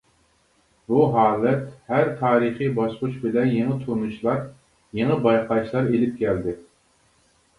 بۇ ھالەت ھەر تارىخىي باسقۇچ بىلەن يېڭى تونۇشلار، يېڭى بايقاشلار ئېلىپ كەلدى.